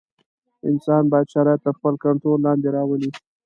انسان باید شرایط تر خپل کنټرول لاندې راولي.